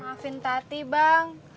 maafin tati bang